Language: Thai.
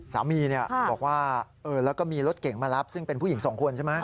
สามีบอกว่าแล้วก็มีรถเก่งมารับซึ่งเป็นผู้หญิงสองคนใช่ไหม